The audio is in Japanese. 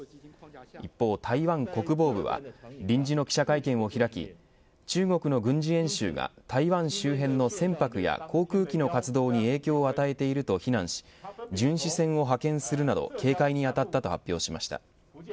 一方、台湾国防部は臨時の記者会見を開き中国の軍事演習が台湾周辺の船舶や航空機の活動に影響を与えていると非難し巡視船を派遣するなど警戒にあたったと発表しました。